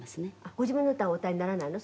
「ご自分の歌をお歌いにならないの？